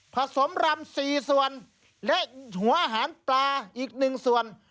ผสมรำ๔ส่วน